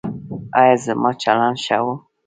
ایا زما چلند ښه و؟